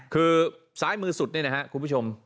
คือซ้ายมือสุดนี่นะครับคุณผู้ชม